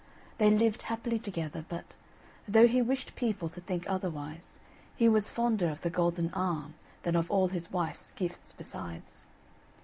They lived happily together, but, though he wished people to think otherwise, he was fonder of the golden arm than of all his wife's gifts besides.